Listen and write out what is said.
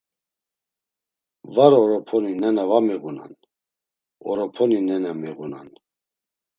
Var oroponi nena var miğunan, oroponi nena miğunan.